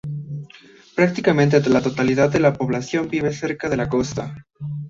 Prácticamente la totalidad de la población vive muy cerca de la costa.